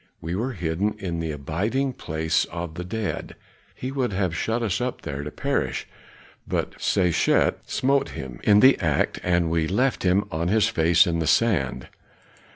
We were hidden in the abiding place of the dead; he would have shut us up there to perish, but Sechet smote him in the act and we left him on his face in the sand."